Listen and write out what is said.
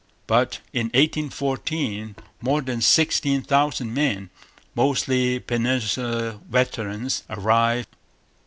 But in 1814 more than sixteen thousand men, mostly Peninsular veterans, arrived.